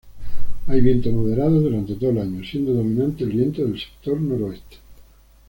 Hay vientos moderados durante todo el año, siendo dominante el viento del sector noreste.